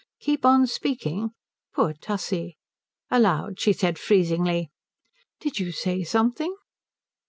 Keep on speaking! Poor Tussie. Aloud she said freezingly, "Did you say something?"